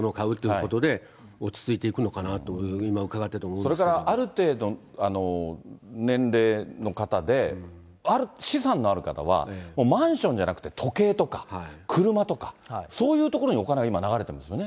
それから、ある程度、年齢の方で、資産のある方は、もうマンションじゃなくて、時計とか、車とか、そういうところにお金が今、流れてるんですよね。